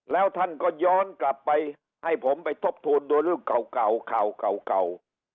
แล้วท่านก็ย้อนกลับไปให้ผมไปทบทูลด้วยเรื่องเก่า